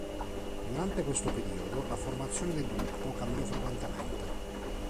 Durante questo periodo, la formazione del gruppo cambiò frequentemente.